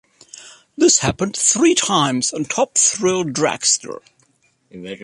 This happened three times on Top Thrill Dragster.